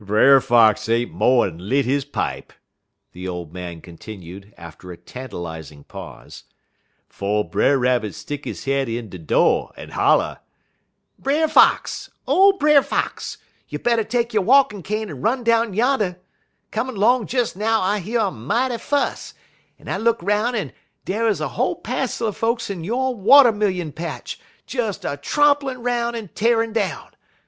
"Brer Fox ain't mo'n lit he pipe," the old man continued, after a tantalizing pause, "'fo' Brer Rabbit stick he head in de do' en holler: "Brer Fox! O Brer Fox! You better take yo' walkin' cane en run down yan. Comin' 'long des now I year a mighty fuss, en I look 'roun' en dar wuz a whole passel er folks in yo' watermillion patch des a tromplin' 'roun' en a t'arin' down.